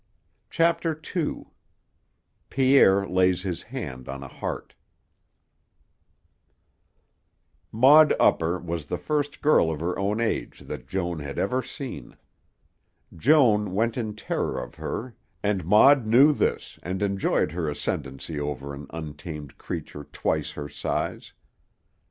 CHAPTER II PIERRE LAYS HIS HAND ON A HEART Maud Upper was the first girl of her own age that Joan had ever seen. Joan went in terror of her and Maud knew this and enjoyed her ascendancy over an untamed creature twice her size.